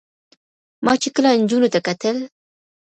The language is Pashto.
ما چې کله نجونو ته کتل